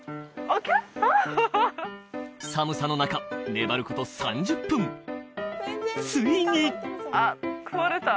オホホ寒さの中粘ること３０分ついにあっ食われた？